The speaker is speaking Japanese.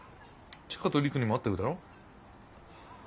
千佳と璃久にも会ってくだろ？